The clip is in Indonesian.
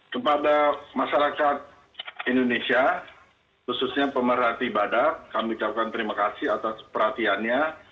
kepada masyarakat indonesia khususnya pemerhati badak kami ucapkan terima kasih atas perhatiannya